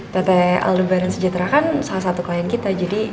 tete aldebaran sejahtera kan salah satu klien kita jadi